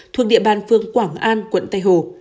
thuộc địa bàn phương quảng an quận tây hồ